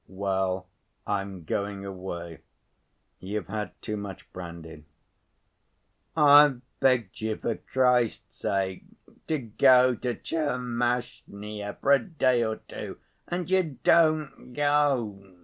"Well, I'm going away. You've had too much brandy." "I've begged you for Christ's sake to go to Tchermashnya for a day or two, and you don't go."